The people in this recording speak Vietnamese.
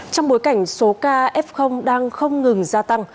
trong bối cảnh số ca f đang không ngừng gia tăng